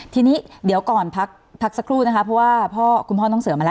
ทีนี้เดี๋ยวก่อนพักสักครู่นะคะเพราะว่าคุณพ่อน้องเสือมาแล้ว